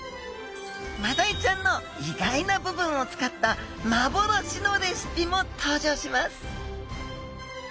マダイちゃんの意外な部分を使った幻のレシピも登場します！